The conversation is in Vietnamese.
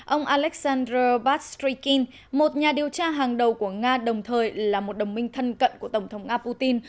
ông alexander basrikin một nhà điều tra hàng đầu của nga đồng thời là một đồng minh thân cận của tổng thống a putin